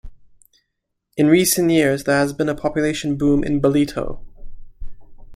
In recent years, there has been a population boom in Ballito.